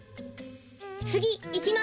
つぎいきます。